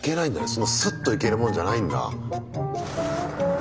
そんなスッと行けるもんじゃないんだ。